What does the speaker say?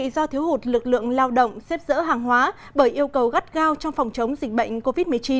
do thiếu hụt lực lượng lao động xếp dỡ hàng hóa bởi yêu cầu gắt gao trong phòng chống dịch bệnh covid một mươi chín